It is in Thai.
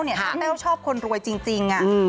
ถ้าแต้วชอบคนรวยจริง